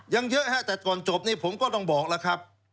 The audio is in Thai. ยังเยอะฮะแต่ก่อนจบนี่ผมก็ต้องบอกแล้วครับ